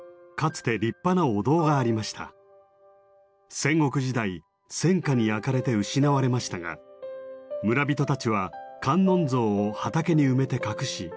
戦国時代戦火に焼かれて失われましたが村人たちは観音像を畑に埋めて隠し守り抜きました。